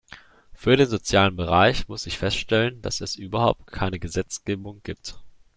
Für den sozialen Bereich muss ich feststellen, dass es überhaupt keine Gesetzgebung gibt.